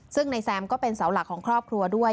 ซึ่งนายแซมก็เป็นเสาหลักของครอบครัวด้วย